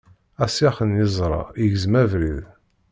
Asyax n yeẓṛa igzem abrid.